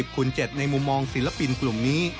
คูณ๗ในมุมมองศิลปินกลุ่มนี้